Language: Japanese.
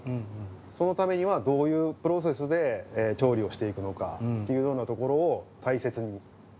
そのためには、どういうプロセスで調理をしていくのかっていうようなところを大切に。